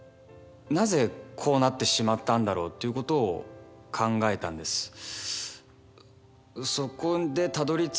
なぜこうなってしまったんだろうっていうことを考えたんです。